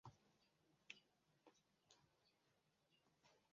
Asili yake inategemea kulingana na mkoa.